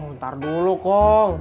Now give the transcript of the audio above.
ntar dulu kong